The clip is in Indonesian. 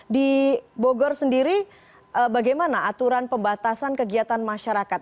di bogor sendiri bagaimana aturan pembatasan kegiatan masyarakat